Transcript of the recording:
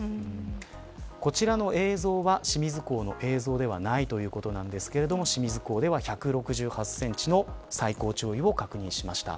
こちらの映像は清水港の映像ではないということですが、清水港では１６８センチの最高潮位を確認しました。